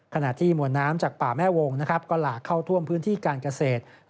ขณะที่มวลน้ำจากป่าแม่วงก็หลากเข้าท่วมพื้นที่การเกษตร